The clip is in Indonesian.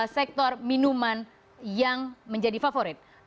sektor minuman yang menjadi favorit